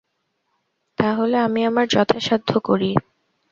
তা হলে আমি আমার যথাসাধ্য করি।